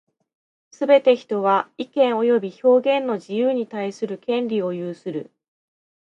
すべて人は、意見及び表現の自由に対する権利を有する。